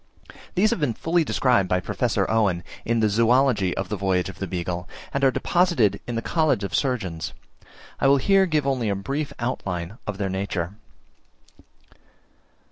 These have been fully described by Professor Owen, in the Zoology of the voyage of the Beagle, and are deposited in the College of Surgeons. I will here give only a brief outline of their nature.